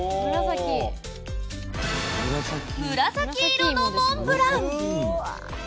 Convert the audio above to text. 紫色のモンブラン。